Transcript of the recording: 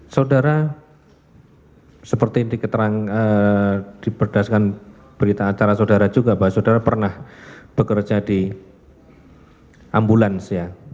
saudara seperti diketerang diperdaskan berita acara saudara juga bahwa saudara pernah bekerja di ambulans ya